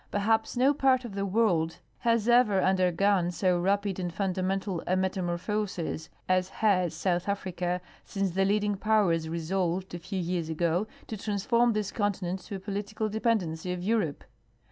Perhaps no part of the world has ever undergone so rapid and fundamental a metamorphosis as has South Africa " since the leading powers resolved, a few years ago, to transform this continent to a political dependency of Europe.